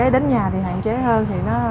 đến nhà thì hạn chế hơn